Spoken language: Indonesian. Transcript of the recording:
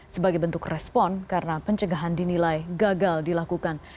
sebagai bentuk respon karena pencegahan dinilai gagal dilakukan